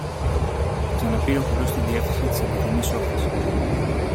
ξαναπήρε ο κουλός τη διεύθυνση της αντικρινής όχθης